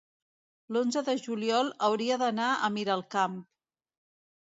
l'onze de juliol hauria d'anar a Miralcamp.